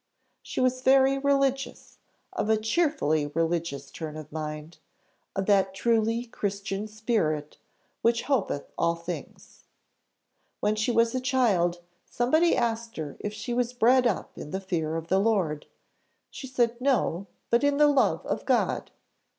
She was very religious, of a cheerfully religious turn of mind of that truly Christian spirit which hopeth all things. When she was a child somebody asked her if she was bred up in the fear of the Lord. She said no, but in the love of God.